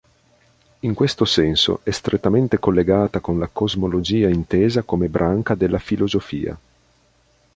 In questo senso, è strettamente collegata con la cosmologia intesa come branca della filosofia.